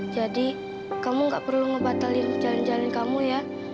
jadi kamu nggak perlu ngebatalin jalan jalan kamu ya